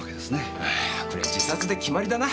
ああこりゃ自殺で決まりだな。